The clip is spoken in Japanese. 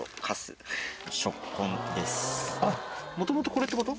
もともとこれってこと？